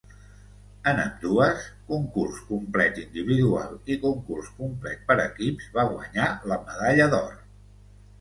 En ambdues, concurs complet individual i concurs complet per equips, va guanyar la medalla d'or.